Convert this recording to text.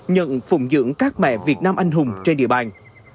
nhận phùng dưỡng các mẹ việt nam anh hùng trên địa bàn